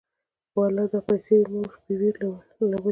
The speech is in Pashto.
واله دا پيسې دې مور بي بي له ولېږه.